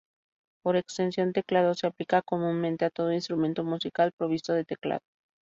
Por extensión, teclado se aplica comúnmente a todo instrumento musical provisto de teclado.